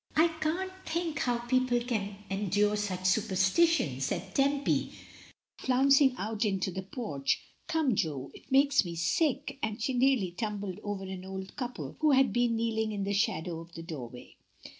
"I can't think how people can endure such superstition," said Tempy, flouncing out into the porch. "Come, Jo, it makes me sick," and she nearly tumbled over an old couple who had been kneeling in the shadow of the door way.